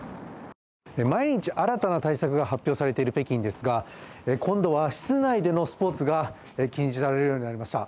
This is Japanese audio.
毎日新たな対策が発表されている北京ですが、今度は室内でのスポーツが禁じられるようになりました。